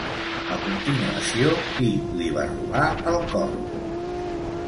A continuació, qui li va robar el cor?